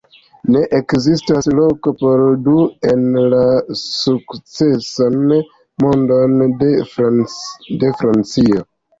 Ne ekzistas loko por du en la sukcesan mondon de Francio".